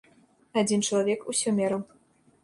Адзін чалавек усё мераў.